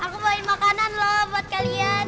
aku bawa makanan loh buat kalian